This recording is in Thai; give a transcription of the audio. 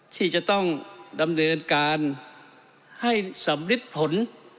ที่จะต้องดำเนินการให้สำริดผล